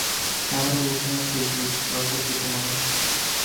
তাহারও ঊর্ধ্বে আছে জীব বা প্রকৃত মানুষ।